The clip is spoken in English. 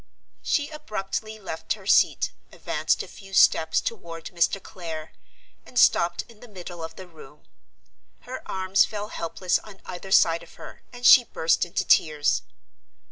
She abruptly left her seat, advanced a few steps toward Mr. Clare, and stopped in the middle of the room. Her arms fell helpless on either side of her, and she burst into tears.